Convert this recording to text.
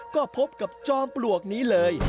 ก็พบกับจอมปลวกนี้เลย